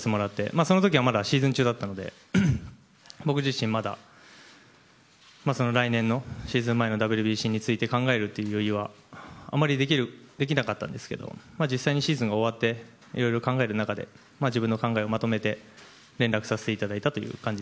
その時はまだシーズン中だったので僕自身、まだその来年のシーズン前のＷＢＣについて考えるという余裕はあまりできなかったんですけど実際にシーズンが終わっていろいろ考える中で自分の考えをまとめて連絡させていただきました。